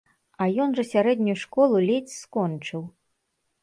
А ён жа сярэднюю школу ледзь скончыў.